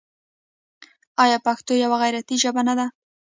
آیا پښتو یوه غیرتي ژبه نه ده؟